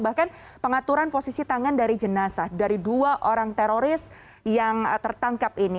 bahkan pengaturan posisi tangan dari jenazah dari dua orang teroris yang tertangkap ini